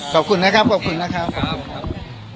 ขอบคุณนะครับขอบคุณนะครับขอบคุณครับ